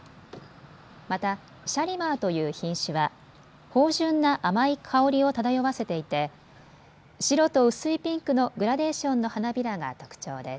また、シャリマーという品種は芳じゅんな甘い香りを漂わせていて白と薄いピンクのグラデーションの花びらが特徴です。